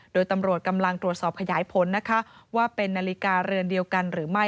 โดยตำรวจกำลังตรวจสอบขยายผลนะคะว่าเป็นนาฬิกาเรือนเดียวกันหรือไม่